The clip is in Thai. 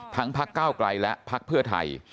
ทั้งพักษ์ก้าวกล่ายและพักษ์เพื่อไทย